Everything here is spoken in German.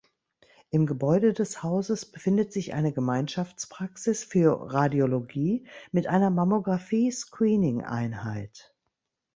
Im Gebäude des Hauses befindet sich eine Gemeinschaftspraxis für Radiologie mit einer Mammographie-Screeningeinheit.